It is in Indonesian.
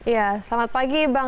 ya selamat pagi bang